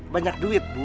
banyak duit bu